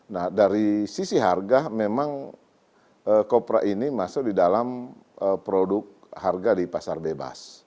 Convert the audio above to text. nah dari sisi harga memang kopra ini masuk di dalam produk harga di pasar bebas